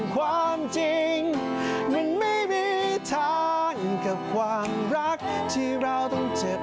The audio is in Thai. ความจริงมันไม่มีทางกับความรักที่เราต้องเจ็บ